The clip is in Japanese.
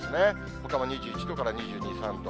ほかも２１度から２２、３度。